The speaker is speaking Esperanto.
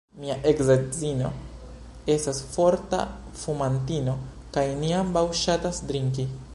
Mia eksedzino estas forta fumantino kaj ni ambaŭ ŝatas drinki.